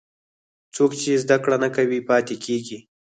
څوک چې زده کړه نه کوي، پاتې کېږي.